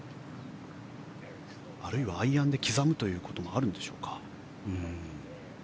あるいはアイアンで刻むということもあるんでしょうか。